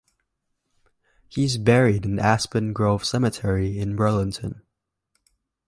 He is buried in the Aspen Grove cemetery, in Burlington.